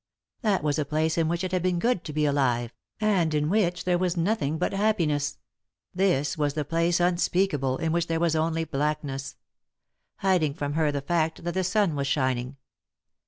That was a place in which it had been good to be alive, and in which there was nothing but happiness ; this was the place unspeakable, in which there was only blackness ; hiding from her the fact that the sua was shining.